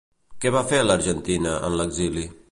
Què va fer a l'Argentina, en l'exili?